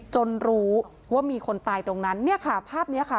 รู้ว่ามีคนตายตรงนั้นเนี่ยค่ะภาพนี้ค่ะ